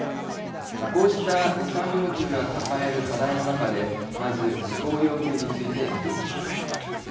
こうした予算要求が抱える課題の中でまず事項要求について見ていきます。